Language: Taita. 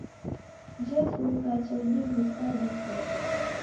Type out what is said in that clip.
Jesu ukacha udiw'usa diw'ose.